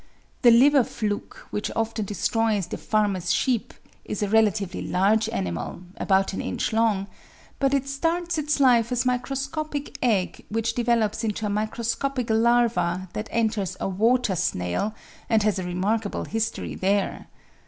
The liver fluke which often destroys the farmer's sheep is a relatively large animal — about an inch long — but it starts its life as a microscopic egg which develops into a microscopic larva that enters a water snail, and has a remarkable history there.